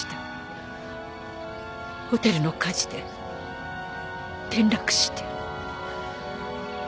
ホテルの火事で転落して。